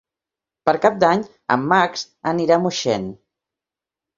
Per Cap d'Any en Max anirà a Moixent.